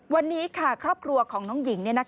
วันนี้ครอบครัวของน้องหญิง